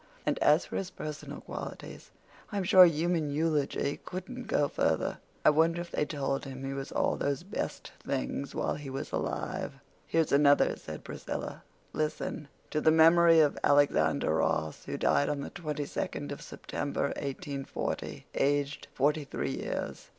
And as for his personal qualities, I'm sure human eulogy couldn't go further. I wonder if they told him he was all those best things while he was alive." "Here's another," said Priscilla. "Listen— 'To the memory of Alexander Ross, who died on the 22nd of September, 1840, aged 43 years.